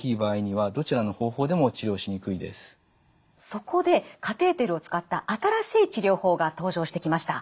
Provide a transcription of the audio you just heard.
そこでカテーテルを使った新しい治療法が登場してきました。